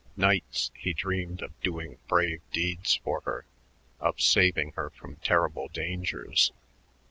Nights, he dreamed of doing brave deeds for her, of saving her from terrible dangers.